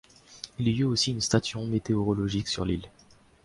Il y eut aussi une station météorologique sur l'île.